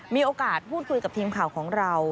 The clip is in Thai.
มีโอกาสพูดคุยกับทีมข่าวของเรา